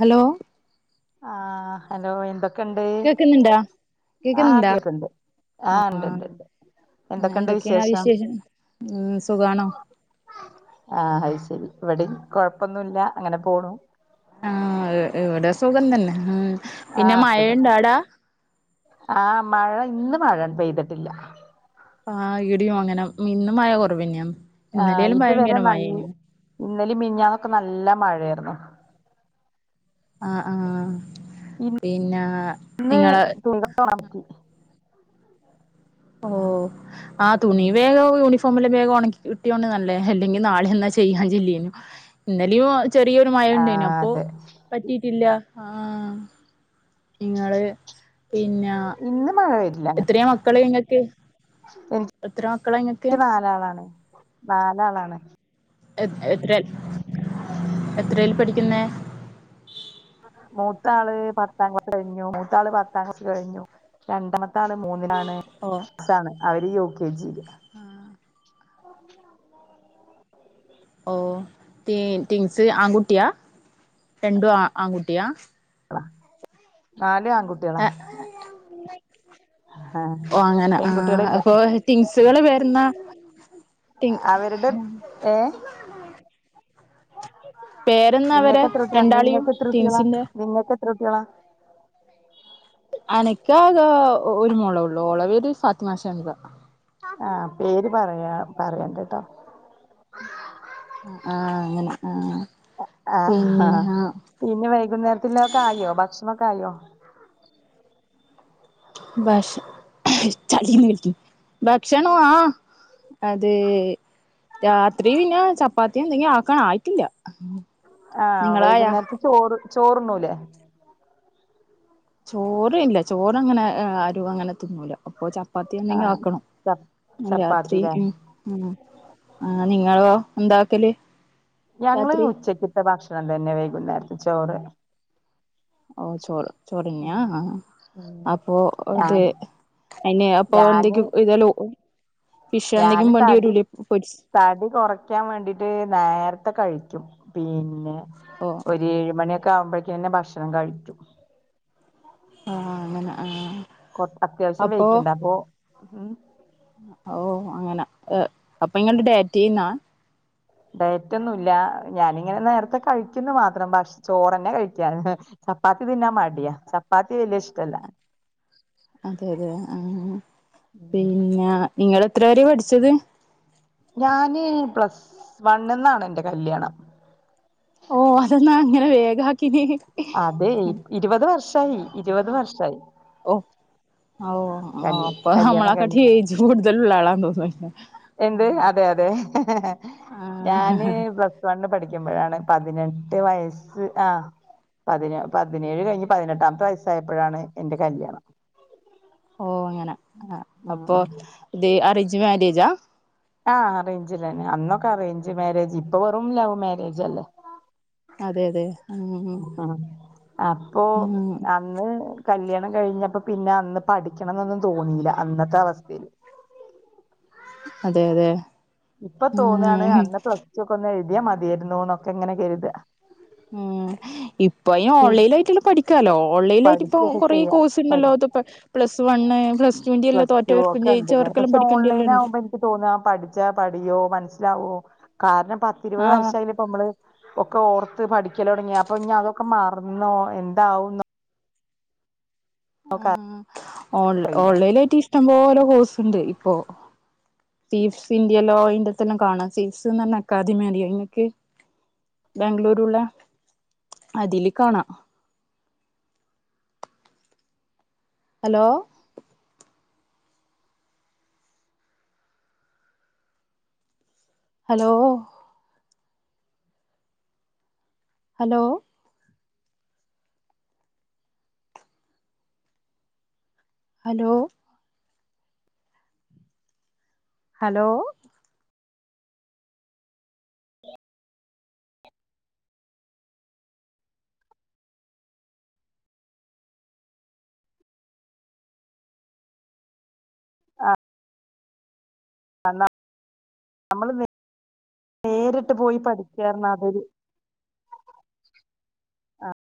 hello ആഹ് hello എന്തൊ കേക്കുന്നുണ്ടാ ആഹ് കേക്കുന്നുണ്ടാ കേട്ടുണ്ട് ആഹ് ഉണ്ട്ണ്ട്ണ്ട് ആഹ് എന്തൊക്കെയാണ് വിശേഷം സുഖമാണോ ആഹ് ഹൈശരി ഇവിടെ കൊഴപ്പൊന്നുമല്ല അങ്ങനെ പോണു ആഹ് ഇവിടെ അസുഖം തന്നെ പിന്നെ ആഹ് മഴയുണ്ടാടാ ആഹ് മഴ ഇന്ന് മഴ പെയ്തിട്ടില്ല ആ ഇടിയും അങ്ങനെ ഇന്നും മഴ കുറവന്നെ ഇന്നലൊലും ഭയങ്കര മഴ ഇന്നലെ മിനിഞ്ഞാന്നൊക്കെ നല്ല മഴയായിരുന്നു ആഹ് ആഹ് പിന്നെ ഇന്ന് നിങ്ങള് [unintelligible] ഓ ആഹ് തുണി വേഗം യൂണിഫോമല്ലാം വേഗം ഉണക്കി കിട്ടിയോണ്ട് നല്ലേ അല്ലെങ്കിൽ നാളെ എന്നാ ചെയ്യാൻ ചെല്ലേനു ഇന്നലും ചെറിയൊരു മഴ ഉണ്ടേനു ആഹ് അപ്പൊ അതെ പറ്റിട്ടില്ല ആഹ് നിങ്ങള് പിന്നെ ഇന്ന് മഴ വരില്ല എത്രയാ മക്കള് ഇങ്ങക്ക് എത്ര മക്കളാ ഇങ്ങക്ക് എ നാലാളാണ് നാലാളാണ് എ എത്ര എത്രൽ പഠിക്കുന്നേ മൂത്താള് പത്താം ക്ലാസ്സ്‌ കഴിഞ്ഞു മൂത്താള് പത്താം ക്ലാസ്സ്‌ കഴിഞ്ഞു രണ്ടാമത്തെ മൂന്നിലാണ് [unintelligible] യുകെജിൽ ആഹ് ഓ തി തിങ്സ് ആൺകുട്ടിയാ രണ്ടും ആൺകുട്ടിയാ നാല് ആൺകുട്ടിയളാ ആഹ് ഓഹ് അങ്ങനെ പെൺകുട്ടികളില്ല ആഹ് തിങ്സുകൾ വരുന്നാ അവരുടെ ഏഹ് പേരന്ന് അവരെ നിങ്ങൾക്ക് എത്ര രണ്ടാളിയും ട്വിൻസിന്റെ ത്രേ കുട്ട്യളാ അനക്ക് ആകെ ഒരു മോളള്ളു ഓള പേര് [unintelligible] ആഹ് പേര് പറയാ പറയണ്ട ട്ടോ ആഹ് അങ്ങനെ ആഹ് ആഹ് ആ പിന്ന വൈകുന്നേരത്തില്ല ഒക്കെ ആയോ ഭക്ഷണക്കെ ആയോ ഭക്ഷ [unintelligible] ഭക്ഷണ ആഹ് അതെ രാത്രി പിന്നെ ചപ്പാത്തി എന്തെങ്കും ആക്കാൻ ആയിട്ടില്ല ആഹ് നിങ്ങളായാ വൈകുന്നേരത്തെ ചോറ് ചോറ്ണ്ണൂലേ ചോറ് ഇല്ല ചോറ് അങ്ങനെ അരും അങ്ങനെ തിന്നൂല അപ്പൊ പത്തിയന്തെങ്കി ആഹ് ആക്കണം ച രാത്രി ചപ്പാത്തില്ലേ ഉം ഉം ആഹ് നിങ്ങളോ എന്താക്കല് ഞങ്ങള് രാത്രി ഉച്ചക്കത്തെ ഭക്ഷണം തന്നെ വൈകുന്നേരത്ത് ചോറ് ഓ ചോറ് ചോറ്ന്യാ ഉം അപ്പൊ ഞാൻ ഇത് അയിന് അപ്പൊ ഞാന് എന്തെക്കും ഇതല്ല ഞാന് തടി പൊരിച്ച് തടി കുറയ്ക്കാൻ വേണ്ടീട്ട് നേരത്തെ കഴിക്കും പിന്നെ ഓ ഒരു ഒരു ഏഴ് മണി ഒക്കെ ആകുമ്പഴേക്കുംന്നെ ഭക്ഷണം കഴിച്ചും ആഹ് അങ്ങനെ ആഹ് അത്യാവശ്യം വെയിറ്റ്ണ്ടോ അപ്പൊ ഉം ഓ അങ്ങനെ ഏ അപ്പൊ ഇങ്ങള് ഡയറ്റ് ചെയ്ന്നാ ഡയറ്റൊന്നുല്ല ഞാനിങ്ങനെ നേരത്തെ കഴിക്കുന്നു മാത്രം പക്ഷെ ചോറന്നെ കഴിക്കാ ചപ്പാത്തി തിന്നാൻ മടിയ ചപ്പാത്തി വല്ല്യ ഇഷ്ടല്ലാ അതെ അതെ ആഹ് പിന്നെ നിങ്ങള് എത്ര വരെ പഠിച്ചത് ഞാന് പ്ലസ് വൺ ന്നാണ് എന്റെ കല്യാണം ഓ അതെന്നാ ഇങ്ങനെ വേഗാക്കിന് അതെ ഇരുപത് വർഷായി ഇരുപത് വർഷമായി ഓ ഓ കല് അപ്പൊ കല്യാണം നമ്മളെ കാട്ടി കഴിഞ്ഞിട്ട് ഏജ് കൂടുതലുള്ള ആളാ തോന്നില്ല എന്ത് അതെ അതെ ആ ഞാന് പ്ലസ് വണ്ണ് പഠിക്കുമ്പോഴാണ് പതിനെട്ട് വയസ്സ് ആ പതിന പതിനേഴ് കഴിഞ്ഞ് പതിനെട്ടാമത്തെ വയസ്സായപ്പോഴാണ് എന്റെ കല്യാണം ഓ അങ്ങനെ ആ അപ്പൊ ഉം ഇത് അറേഞ്ച് മാരേജാ ആ അറേഞ്ചിലന്നെ അന്നൊക്കെ അറേഞ്ച് മാരേജ് ഇപ്പൊ വെറും ലവ് മാരേജ് അല്ലേ അതെ അതെ ഉം അപ്പൊ ഉം അന്ന് കല്യാണം കഴിഞ്ഞപ്പോ പിന്നെ അന്ന് പഠിക്കണം എന്നൊന്നും തോന്നില്ല അന്നത്തെ അവസ്ഥയില് അതെ അതെ ഇപ്പൊ തോന്നാണ് ഉം അന്ന് പ്ലസ് ടൂ ഒക്കെ ഒന്ന് എഴുതിയാ മതിയരുന്നുന്നൊക്കെ ഇങ്ങനെ കരുത ഉം ഇപ്പൊ ഇ ഓൺലൈൻ ആയിട്ടുള്ള പഠിക്കാലോ ഓൺലൈൻ ആയിട്ട് ഇപ്പൊ പഠിക്കൊക്കെ കൊറേ ചെയ്യാ കോഴ്സ് പഠി ഉണ്ടല്ലോ അത്പ്പ പ്ലസ് വണ് പ്ലസ് ടുവിന്റെല്ല പ്ലസ് തോറ്റവർക്കും ജയിച്ചവർക്കെല്ലാം പഠിക്കേണ്ടി ല്ലാം ഉണ്ട് തോന്ന പഠിച്ചാ പഠിയോ മനസ്സിലാവോ കാരണം പത്തിരുപത് ആഹ് വർഷായിലെ നമ്മള് ഒക്കെ ഓർത്ത് പഠിക്കലൊടങ്ങിയ അപ്പൊ ഇനി അതൊക്കെ മറന്നോ എന്താവുന്നോ ആഹ് ഓൺ അറിയില്ല ഓൺലൈൻലായിട്ട് ഇഷ്ടംപോലെ കോഴ്സ്ണ്ട് ഇപ്പൊ സീഫ്സ് ഇന്ത്യല്ലോ അതിന്റെ തന്നെ കാണാം സീഫ്സ് ന്ന പറഞ്ഞ അക്കാദമി അറിയോ ഇങ്ങക്ക് ബാംഗ്ലൂരുള്ള അതില് കാണാം hello hello hello hello hello ആഹ് നമ്മൾ നേ നേരിട്ട് പോയി പഠിക്കറരുന്നു അതൊരു ആഹ്